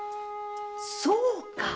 そうか！